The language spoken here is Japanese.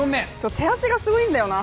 手汗がすごいんだよな。